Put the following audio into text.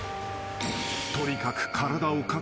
［とにかく］